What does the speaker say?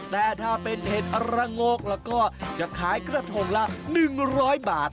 แต่ถ้าเป็นเห็ดระโงกล่ะก็จะขายกระทงละหนึ่งร้อยบาท